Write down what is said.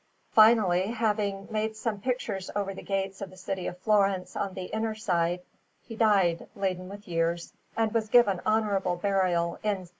Finally, having made some pictures over the gates of the city of Florence on the inner side, he died, laden with years, and was given honourable burial in S.